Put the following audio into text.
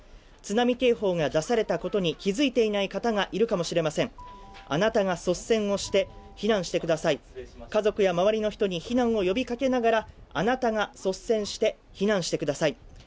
津波警報が出されたことに気付いていない方がいるかもしれませんあなたが率先をして避難してください、家族や周りの人に避難を呼びかけながらあなたが率先して避難してください。